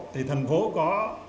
thì thành phố có